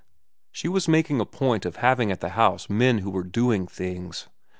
She was making a point of having at the house men who were doing things.